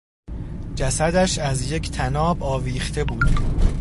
جسدش از یک طناب آویخته بود.